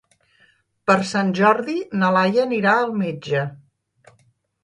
Per Sant Jordi na Laia anirà al metge.